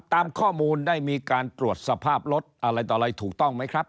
ตามข้อมูลได้มีการตรวจสภาพรถอะไรต่ออะไรถูกต้องไหมครับ